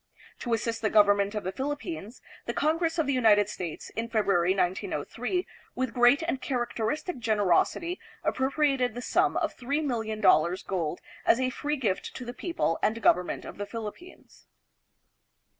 To assist the gov ernment of the Philippines, the Congress of the United States in February, 1903, with great and characteristic generosity appropriated the sum of $3,000,000, gold, as a free gift to the people and government of the Philippines.